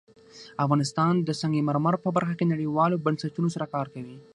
افغانستان د سنگ مرمر په برخه کې نړیوالو بنسټونو سره کار کوي.